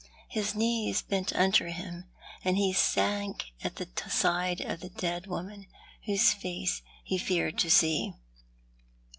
His knees bent under him, and he sank at the side of the dead woman whose face he feared to see.